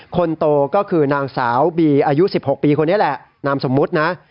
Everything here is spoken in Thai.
คนโตก็คือนางสาวบีอายุ๑๖ปีคนนี้แหละนามสมมุตินะ